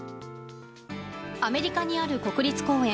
アメリカにある国立公園。